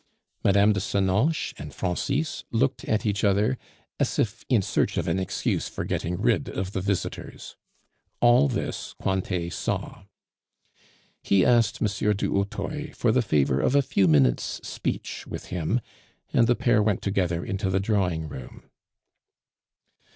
Mme. de Senonches and Francis looked at each other, as if in search of an excuse for getting rid of the visitors. All this Cointet saw. He asked M. du Hautoy for the favor of a few minutes' speech with him, and the pair went together into the drawing room.